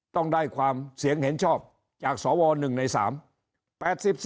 ต้องได้ความเสียงเห็นชอบจากสว๑ใน๓